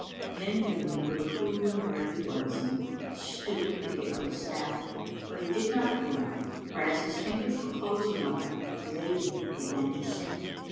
Then he remembered who and where he was, and stooped to pick up his staflf. But he did not pick it up, for as his fingers were closing on it the lady began to sing.